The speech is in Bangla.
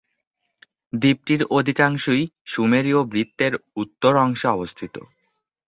দ্বীপটির অধিকাংশই সুমেরীয় বৃত্তের উত্তর অংশে অবস্থিত।